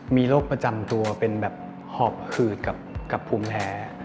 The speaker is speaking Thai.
มีโรคประจำตัวเป็นแบบหอบหืดกับภูมิแพ้